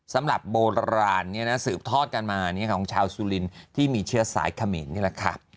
สำหรับโบราณเนี่ยนะสืบทอดกันมาเนี่ยของชาวสุลินที่มีเชื้อสายขมินนี่แหละค่ะ